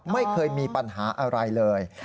ไม่เคยมีปัญหาอะไรเลย